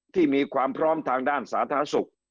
ที่มีความพร้อมทางด้านสาธารณสุข